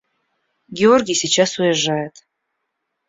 – Георгий сейчас уезжает.